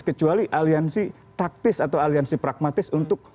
kecuali aliansi taktis atau aliansi pragmatis untuk